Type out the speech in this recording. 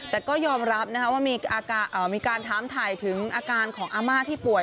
แต่ก็ยอมรับว่ามีการถามถ่ายถึงอาการของอาม่าที่ป่วย